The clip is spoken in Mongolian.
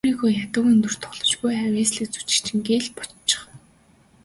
Өөрийгөө ядуугийн дүрд тоглож буй авъяаслагжүжигчин гээд л бодчих.